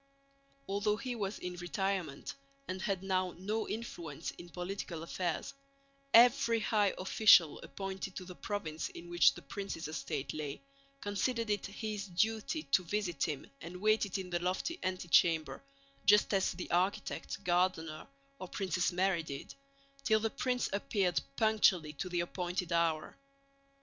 Although he was in retirement and had now no influence in political affairs, every high official appointed to the province in which the prince's estate lay considered it his duty to visit him and waited in the lofty antechamber just as the architect, gardener, or Princess Mary did, till the prince appeared punctually to the appointed hour.